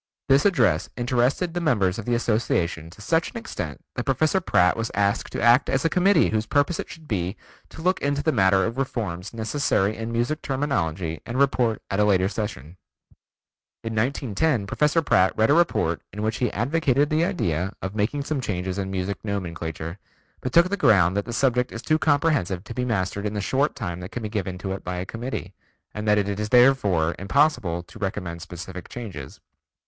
This address interested the members of the Association to such an extent that Professor Pratt was asked to act as a committee whose purpose it should be to look into the matter of reforms necessary in music terminology and report at a later session. In 1910 Professor Pratt read a report in which he advocated the idea of making some changes in music nomenclature, but took the ground that the subject is too comprehensive to be mastered in the short time that can be given to it by a committee, and that it is therefore impossible to recommend specific changes.